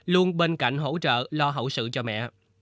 luôn bên cạnh hỗ trợ lo hậu sự cho mẹ